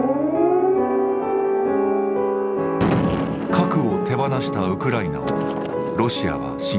核を手放したウクライナをロシアは侵攻した。